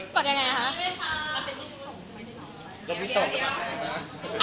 ดยังไงคะ